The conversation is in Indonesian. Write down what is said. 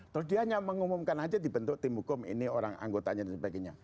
terus dia hanya mengumumkan saja dibentuk tim hukum ini orang anggotanya dan sebagainya